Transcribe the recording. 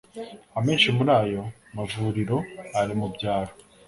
Amenshi muri ayo mavuriro ari mu byaro